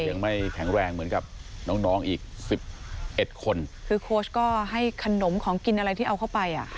ยังไม่แข็งแรงเหมือนกับน้องน้องอีกสิบเอ็ดคนคือโค้ชก็ให้ขนมของกินอะไรที่เอาเข้าไปอ่ะ